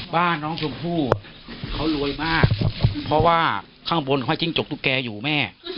บ้านน้องชมพู่เขารวยมากเพราะว่าข้างบนเขาจิ้งจกตุ๊กแกอยู่แม่